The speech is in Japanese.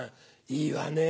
いいわね。